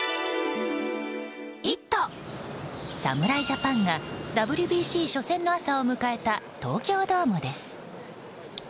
侍ジャパンがＷＢＣ初戦の朝を迎えた東京ドームです。